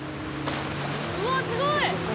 うわすごい！